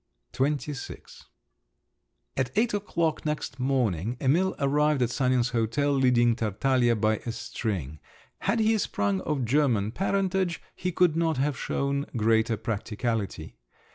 XXVI At eight o'clock next morning, Emil arrived at Sanin's hotel leading Tartaglia by a string. Had he sprung of German parentage, he could not have shown greater practicality.